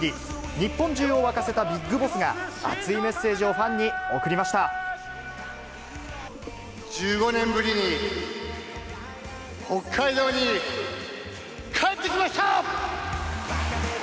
日本中を沸かせたビッグボスが、熱いメッセージをファンに送りま１５年ぶりに北海道に帰ってきました！